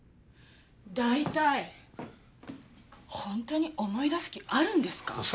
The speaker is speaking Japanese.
大体本当に思い出す気あるんですか？